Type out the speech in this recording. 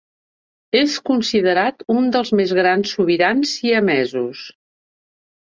És considerat un dels més grans sobirans siamesos.